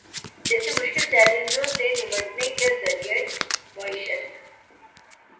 جیسے مشکل چیلنجوں سے نمٹنے کے ذریعہ معیشت